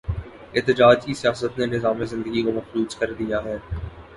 احتجاج کی سیاست نے نظام زندگی کو مفلوج کر دیا ہے۔